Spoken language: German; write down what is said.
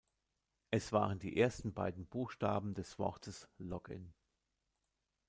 Es waren die ersten beiden Buchstaben des Wortes „"login"“.